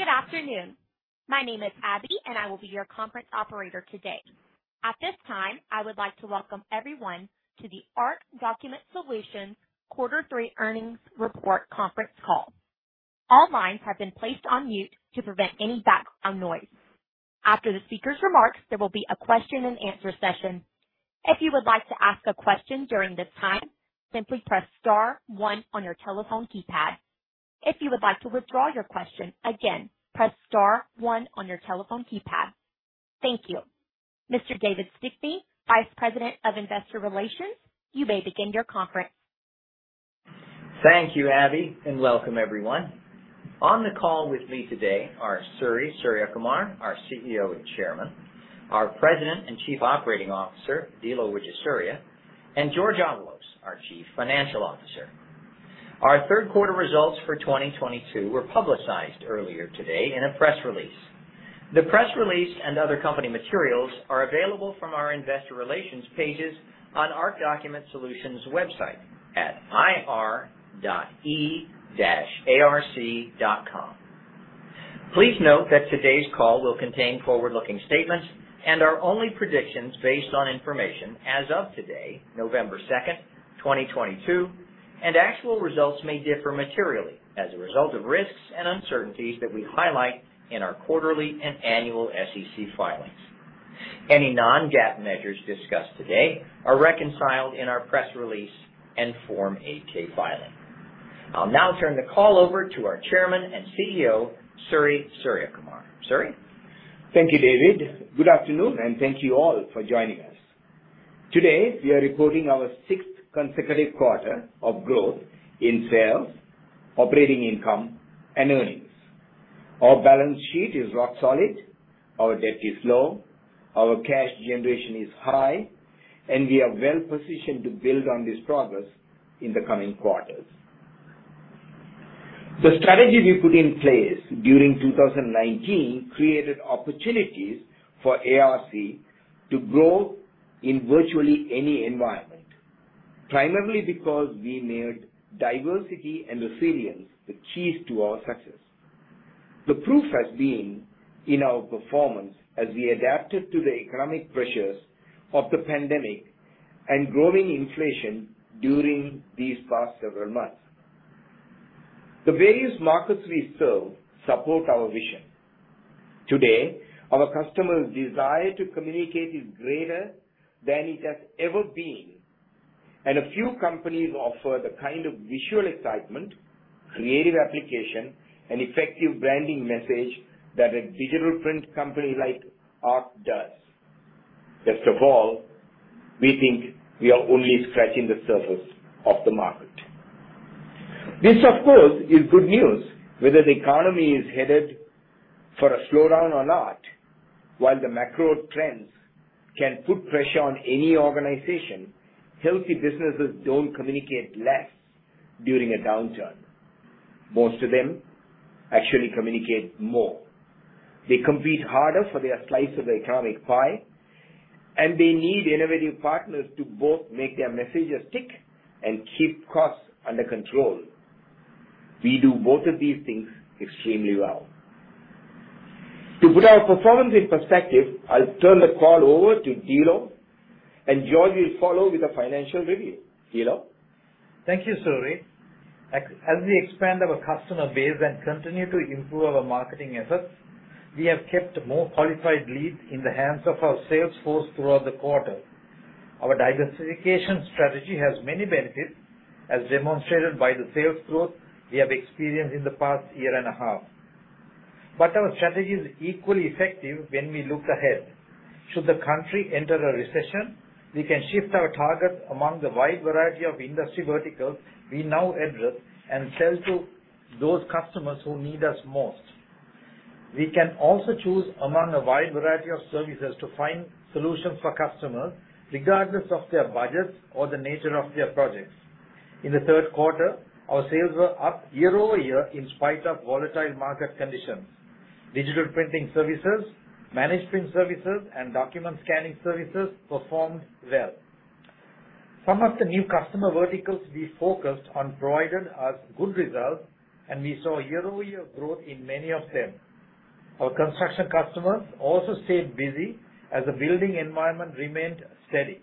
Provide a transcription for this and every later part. Good afternoon. My name is Abby, and I will be your conference operator today. At this time, I would like to welcome everyone to the ARC Document Solutions Quarter Three Earnings Report Conference Call. All lines have been placed on mute to prevent any background noise. After the speaker's remarks, there will be a question-and-answer session. If you would like to ask a question during this time, simply press star one on your telephone keypad. If you would like to withdraw your question, again, press star one on your telephone keypad. Thank you. Mr. David Stickney, Vice President of Investor Relations, you may begin your conference. Thank you, Abby, and welcome everyone. On the call with me today are Suri Suriyakumar, our CEO and Chairman, our President and Chief Operating Officer, Dilo Wijesuriya, and Jorge Avalos, our Chief Financial Officer. Our third-quarter results for 2022 were publicized earlier today in a press release. The press release and other company materials are available from our investor relations pages on ARC Document Solutions website at ir.e-arc.com. Please note that today's call will contain forward-looking statements and are only predictions based on information as of today, November second, 2022, and actual results may differ materially as a result of risks and uncertainties that we highlight in our quarterly and annual SEC filings. Any non-GAAP measures discussed today are reconciled in our press release and Form 8-K filing. I'll now turn the call over to our Chairman and CEO, Suri Suriyakumar. Suri? Thank you, David. Good afternoon, and thank you all for joining us. Today, we are reporting our sixth consecutive quarter of growth in sales, operating income, and earnings. Our balance sheet is rock solid. Our debt is low. Our cash generation is high, and we are well-positioned to build on this progress in the coming quarters. The strategy we put in place during 2019 created opportunities for ARC to grow in virtually any environment, primarily because we made diversity and resilience the keys to our success. The proof has been in our performance as we adapted to the economic pressures of the pandemic and growing inflation during these past several months. The various markets we serve support our vision. Today, our customers' desire to communicate is greater than it has ever been, and a few companies offer the kind of visual excitement, creative application, and effective branding message that a digital print company like ARC does. Best of all, we think we are only scratching the surface of the market. This, of course, is good news whether the economy is headed for a slowdown or not. While the macro trends can put pressure on any organization, healthy businesses don't communicate less during a downturn. Most of them actually communicate more. They compete harder for their slice of the economic pie, and they need innovative partners to both make their messages stick and keep costs under control. We do both of these things extremely well. To put our performance in perspective, I'll turn the call over to Dilo, and Jorge will follow with a financial review. Dilo? Thank you, Suri. As we expand our customer base and continue to improve our marketing efforts, we have kept more qualified leads in the hands of our sales force throughout the quarter. Our diversification strategy has many benefits, as demonstrated by the sales growth we have experienced in the past year and a half. Our strategy is equally effective when we look ahead. Should the country enter a recession, we can shift our targets among the wide variety of industry verticals we now address and sell to those customers who need us most. We can also choose among a wide variety of services to find solutions for customers, regardless of their budgets or the nature of their projects. In the third quarter, our sales were up year over year in spite of volatile market conditions. Digital printing services, managed print services, and document scanning services performed well. Some of the new customer verticals we focused on provided us good results, and we saw year-over-year growth in many of them. Our construction customers also stayed busy as the building environment remained steady.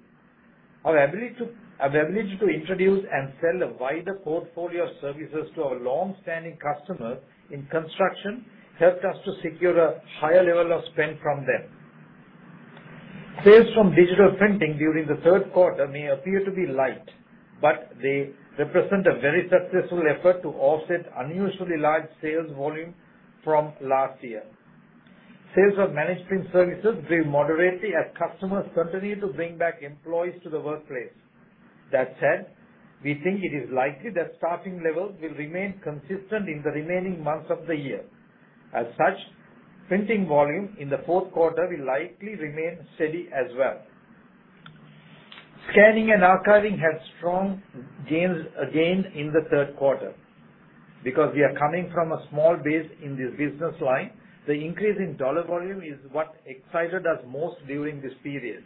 Our ability to introduce and sell a wider portfolio of services to our longstanding customers in construction helped us to secure a higher level of spend from them. Sales from digital printing during the third quarter may appear to be light, but they represent a very successful effort to offset unusually large sales volume from last year. Sales of managed print services grew moderately as customers continue to bring back employees to the workplace. That said, we think it is likely that starting levels will remain consistent in the remaining months of the year. As such, printing volume in the fourth quarter will likely remain steady as well. Scanning and Archiving had strong gains, again in the third quarter. Because we are coming from a small base in this business line, the increase in dollar volume is what excited us most during this period.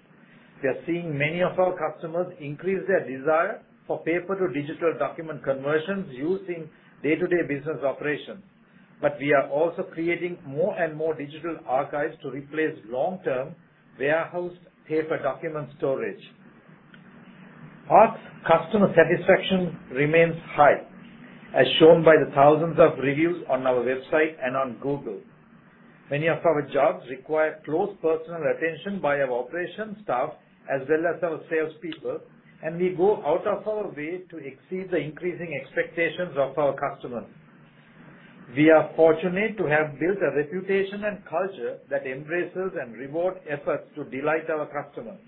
We are seeing many of our customers increase their desire for paper-to-digital document conversions using day-to-day business operations. We are also creating more and more digital archives to replace long-term warehoused paper document storage. ARC's customer satisfaction remains high, as shown by the thousands of reviews on our website and on Google. Many of our jobs require close personal attention by our operations staff as well as our salespeople, and we go out of our way to exceed the increasing expectations of our customers. We are fortunate to have built a reputation and culture that embraces and rewards efforts to delight our customers.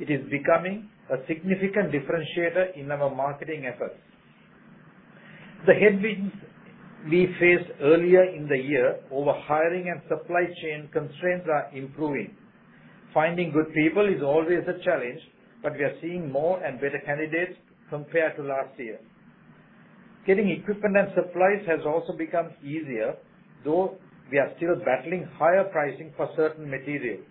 It is becoming a significant differentiator in our marketing efforts. The headwinds we faced earlier in the year over hiring and supply chain constraints are improving. Finding good people is always a challenge, but we are seeing more and better candidates compared to last year. Getting equipment and supplies has also become easier, though we are still battling higher pricing for certain materials.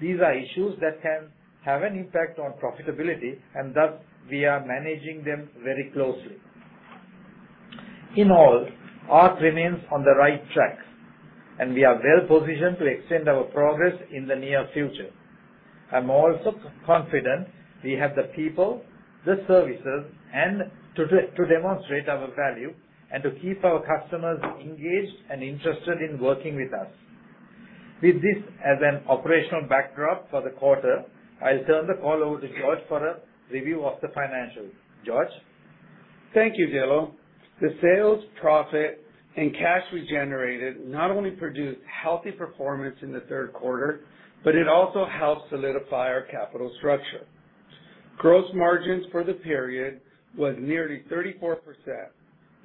These are issues that can have an impact on profitability, and thus we are managing them very closely. In all, ARC remains on the right track, and we are well-positioned to extend our progress in the near future. I'm also confident we have the people, the services, and to demonstrate our value and to keep our customers engaged and interested in working with us. With this as an operational backdrop for the quarter, I'll turn the call over to Jorge Avalos for a review of the financials. Jorge Avalos? Thank you, Dilo. The sales profit and cash we generated not only produced healthy performance in the third quarter, but it also helped solidify our capital structure. Gross margins for the period was nearly 34%,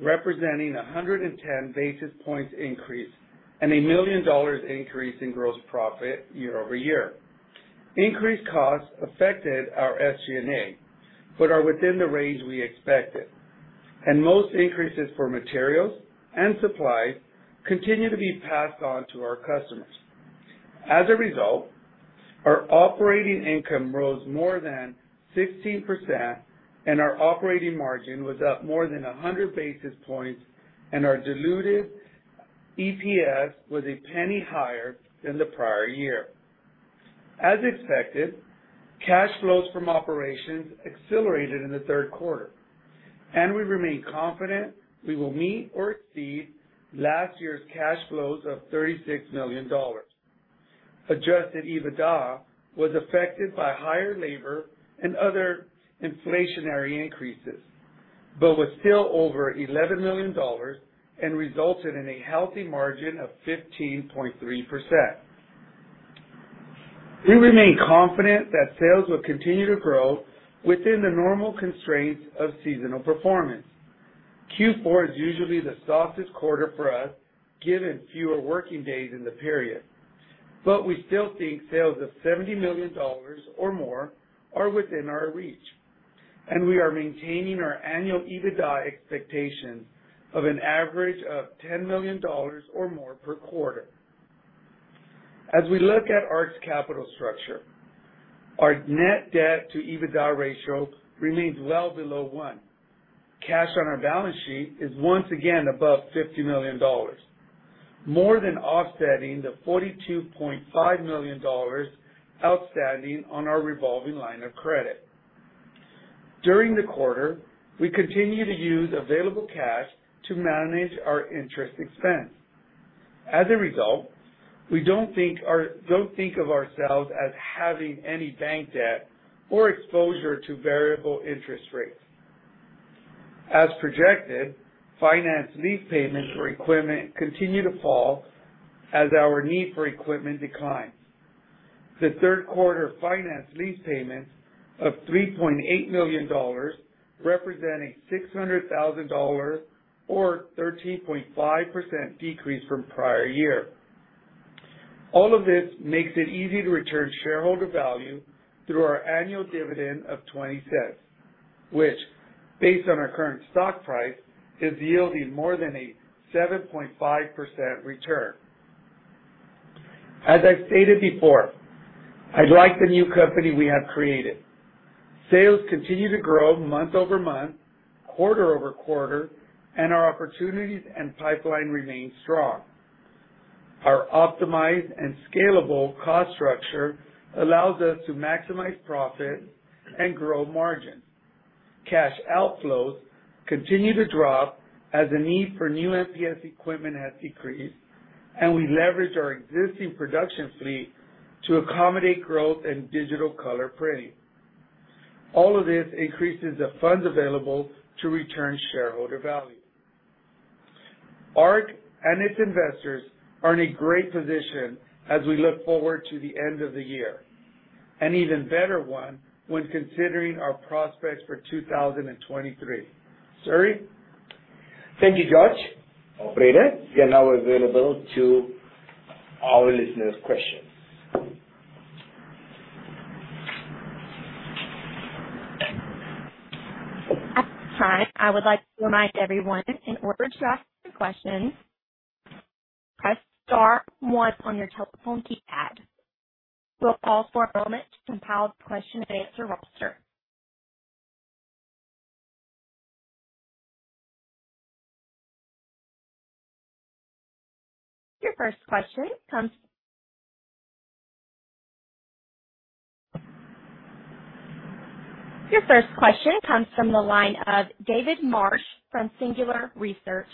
representing a 110 basis points increase and a $1 million increase in gross profit year-over-year. Increased costs affected our SG&A, but are within the range we expected, and most increases for materials and supplies continue to be passed on to our customers. As a result, our operating income rose more than 16%, and our operating margin was up more than 100 basis points, and our diluted EPS was $0.01 higher than the prior year. As expected, cash flows from operations accelerated in the third quarter, and we remain confident we will meet or exceed last year's cash flows of $36 million. Adjusted EBITDA was affected by higher labor and other inflationary increases, but was still over $11 million and resulted in a healthy margin of 15.3%. We remain confident that sales will continue to grow within the normal constraints of seasonal performance. Q4 is usually the softest quarter for us, given fewer working days in the period, but we still think sales of $70 million or more are within our reach, and we are maintaining our annual EBITDA expectations of an average of $10 million or more per quarter. As we look at ARC's capital structure, our net debt to EBITDA ratio remains well below one. Cash on our balance sheet is once again above $50 million, more than offsetting the $42.5 million outstanding on our revolving line of credit. During the quarter, we continued to use available cash to manage our interest expense. As a result, we don't think of ourselves as having any bank debt or exposure to variable interest rates. As projected, finance lease payments for equipment continue to fall as our need for equipment declines. The third quarter finance lease payments of $3.8 million represent a $600,000, or 13.5% decrease from prior year. All of this makes it easy to return shareholder value through our annual dividend of $0.20, which, based on our current stock price, is yielding more than a 7.5% return. As I've stated before, I like the new company we have created. Sales continue to grow month-over-month, quarter-over-quarter, and our opportunities and pipeline remain strong. Our optimized and scalable cost structure allows us to maximize profit and grow margin. Cash outflows continue to drop as the need for new MPS equipment has decreased, and we leverage our existing production fleet to accommodate growth in digital color printing. All of this increases the funds available to return shareholder value. ARC and its investors are in a great position as we look forward to the end of the year, an even better one when considering our prospects for 2023. Suri? Thank you, Jorge. Operator, we are now available to our listeners' questions. At this time, I would like to remind everyone, in order to ask a question, press star one on your telephone keypad. We'll pause for a moment to compile the question-and-answer roster. Your first question comes from the line of David Marsh from Singular Research.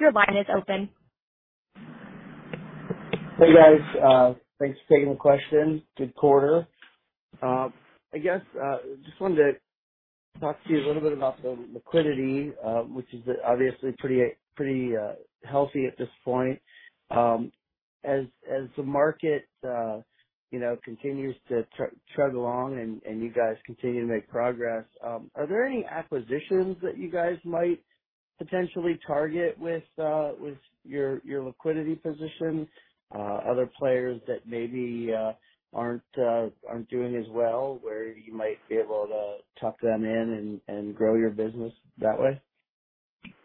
Your line is open. Hey, guys. Thanks for taking the question. Good quarter. I guess just wanted to talk to you a little bit about the liquidity, which is obviously pretty healthy at this point. As the market you know continues to trudge along and you guys continue to make progress, are there any acquisitions that you guys might potentially target with your liquidity position, other players that maybe aren't doing as well, where you might be able to tuck them in and grow your business that way?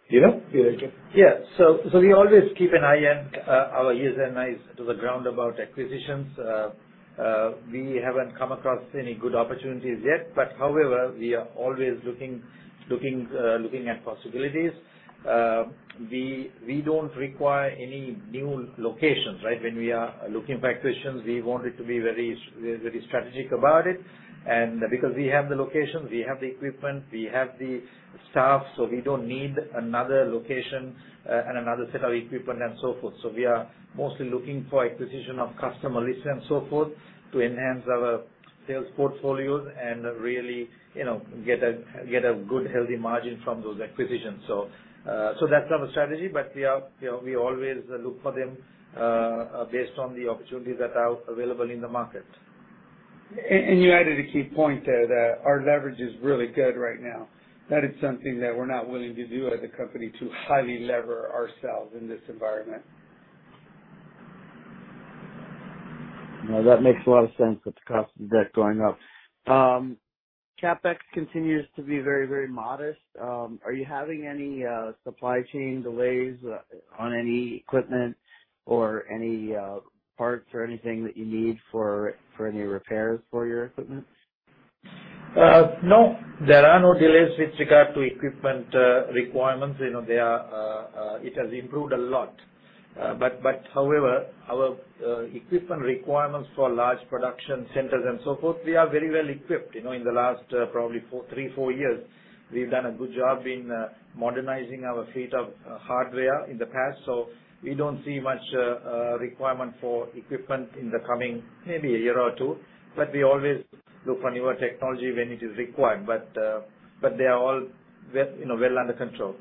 Dilo? Yeah. We always keep an eye and our ears and eyes to the ground about acquisitions. We haven't come across any good opportunities yet, but however, we are always looking at possibilities. We don't require any new locations, right? When we are looking at acquisitions, we want it to be very strategic about it. Because we have the locations, we have the equipment, we have the staff, so we don't need another location and another set of equipment and so forth. We are mostly looking for acquisition of customer lists and so forth to enhance our sales portfolios and really, you know, get a good, healthy margin from those acquisitions. That's our strategy, but we are, you know, we always look for them based on the opportunities that are available in the market. You added a key point there that our leverage is really good right now. That is something that we're not willing to do as a company, to highly leverage ourselves in this environment. No, that makes a lot of sense with the cost of debt going up. CapEx continues to be very, very modest. Are you having any supply chain delays on any equipment or any parts or anything that you need for any repairs for your equipment? No, there are no delays with regard to equipment requirements. You know, there are. It has improved a lot. However, our equipment requirements for large production centers and so forth, we are very well equipped. You know, in the last probably three, four years, we've done a good job in modernizing our fleet of hardware in the past. We don't see much requirement for equipment in the coming maybe a year or two, but we always look for newer technology when it is required. They are all well, you know, well under control.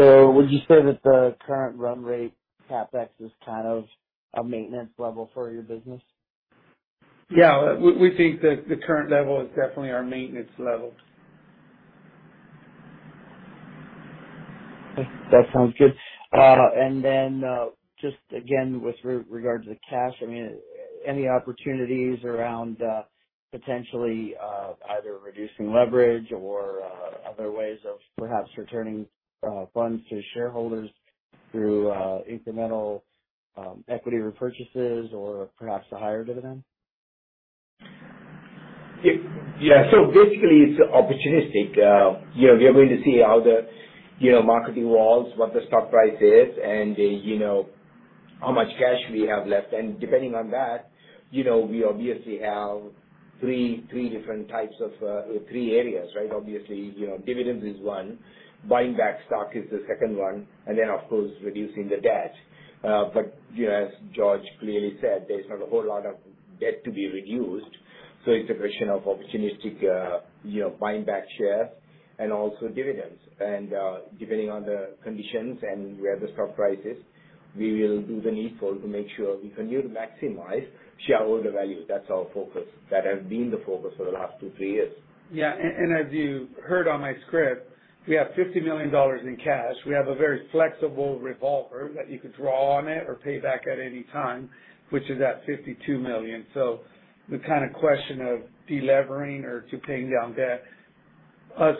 Would you say that the current run rate CapEx is kind of a maintenance level for your business? Yeah. We think that the current level is definitely our maintenance level. That sounds good. Just again, with regards to cash, I mean, any opportunities around, potentially, either reducing leverage or, other ways of perhaps returning, funds to shareholders through, incremental, equity repurchases or perhaps a higher dividend? Yeah. Basically it's opportunistic. You know, we are going to see how the, you know, market evolves, what the stock price is and, you know, how much cash we have left. Depending on that, you know, we obviously have three different types of three areas, right? Obviously, you know, dividends is one, buying back stock is the second one, and then of course, reducing the debt. As Jorge clearly said, there's not a whole lot of debt to be reduced. It's a question of opportunistic, you know, buying back shares and also dividends. Depending on the conditions and where the stock price is, we will do the needful to make sure we continue to maximize shareholder value. That's our focus. That has been the focus for the last two, three years. Yeah. As you heard on my script, we have $50 million in cash. We have a very flexible revolver that you could draw on it or pay back at any time, which is at $52 million. The kind of question of delevering or to paying down debt,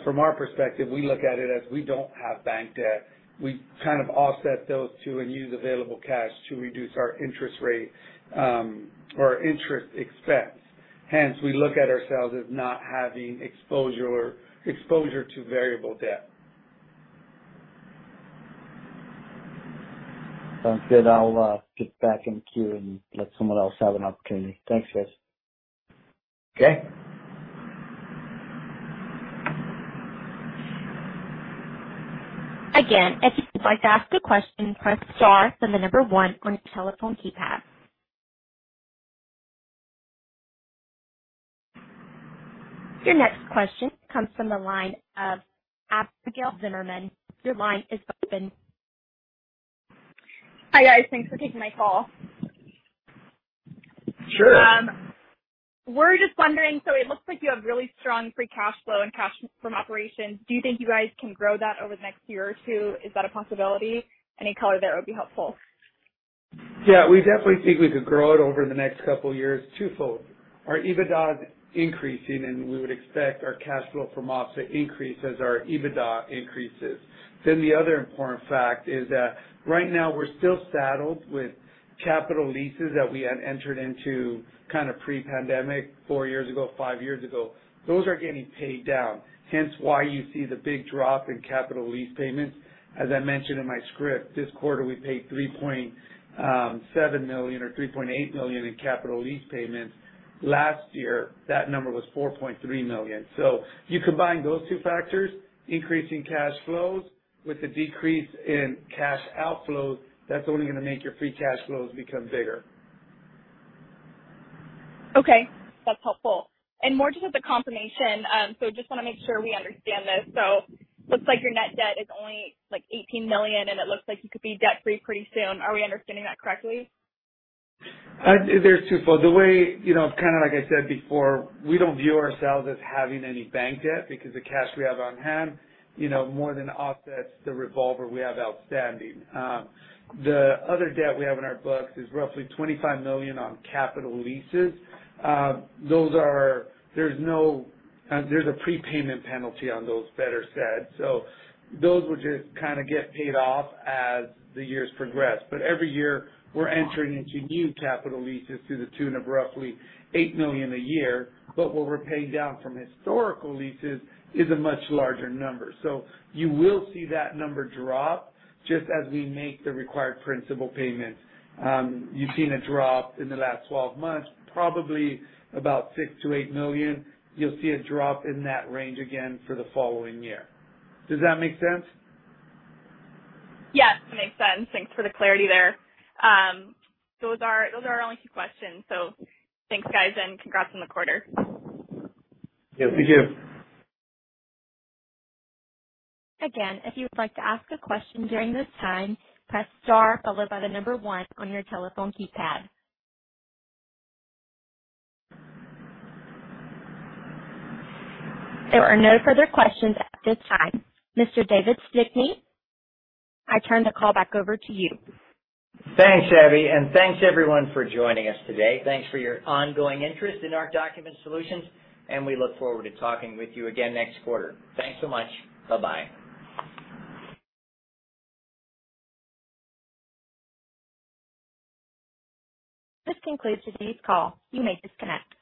from our perspective, we look at it as we don't have bank debt. We kind of offset those two and use available cash to reduce our interest rate or interest expense. Hence, we look at ourselves as not having exposure to variable debt. Sounds good. I'll get back in queue and let someone else have an opportunity. Thanks, guys. Okay. Again, if you would like to ask a question, press star, then the number one on your telephone keypad. Your next question comes from the line of Abigail Zimmerman. Your line is open. Hi, guys. Thanks for taking my call. Sure. We're just wondering, so it looks like you have really strong free cash flow and cash from operations. Do you think you guys can grow that over the next year or two? Is that a possibility? Any color there would be helpful. Yeah, we definitely think we could grow it over the next couple years twofold. Our EBITDA is increasing, and we would expect our cash flow from ops to increase as our EBITDA increases. The other important fact is that right now we're still saddled with capital leases that we had entered into kind of pre-pandemic four years ago, five years ago. Those are getting paid down, hence why you see the big drop in capital lease payments. As I mentioned in my script, this quarter we paid $3.7 million or $3.8 million in capital lease payments. Last year, that number was $4.3 million. You combine those two factors, increasing cash flows with the decrease in cash outflows, that's only gonna make your free cash flows become bigger. Okay, that's helpful. More just as a confirmation, so just wanna make sure we understand this. Looks like your net debt is only like $18 million, and it looks like you could be debt-free pretty soon. Are we understanding that correctly? It's twofold. The way, you know, kind of like I said before, we don't view ourselves as having any bank debt because the cash we have on hand, you know, more than offsets the revolver we have outstanding. The other debt we have on our books is roughly $25 million on capital leases. There's a prepayment penalty on those, better said. Those will just kinda get paid off as the years progress. Every year, we're entering into new capital leases to the tune of roughly $8 million a year. What we're paying down from historical leases is a much larger number. You will see that number drop just as we make the required principal payments. You've seen a drop in the last 12 months, probably about $6 million-$8 million. You'll see a drop in that range again for the following year. Does that make sense? Yes, it makes sense. Thanks for the clarity there. Those are our only two questions, so thanks, guys, and congrats on the quarter. Yeah. Thank you. Again, if you would like to ask a question during this time, press Star followed by the number one on your telephone keypad. There are no further questions at this time. Mr. David Stickney, I turn the call back over to you. Thanks, Abby, and thanks everyone for joining us today. Thanks for your ongoing interest in our document solutions, and we look forward to talking with you again next quarter. Thanks so much. Bye-bye. This concludes today's call. You may disconnect.